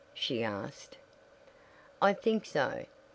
she asked. "I think so.